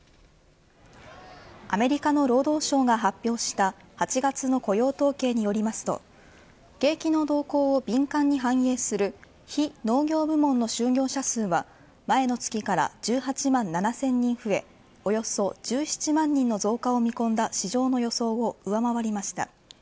アメリカの労働省が発表した８月の雇用統計によりますと景気の動向を敏感に反映する非農業部門の就業者数は前の月から１８万７０００人増えおよそ１７万人の増加を見込んだ市場の予想を上回りました。